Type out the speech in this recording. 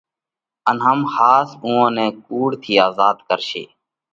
ان هم ۿاس اُوئون نئہ ڪُوڙ ٿِي آزاڌ ڪرشي۔